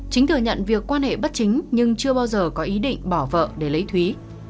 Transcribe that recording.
chính thừa nhận việc quan hệ bất chính nhưng chưa bao giờ có ý định bỏ vợ để lấy thúy